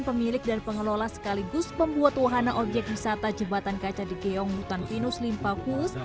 pemilik dan pengelola sekaligus pembuat wahana objek wisata jembatan kaca degeong hutan pinos limpakus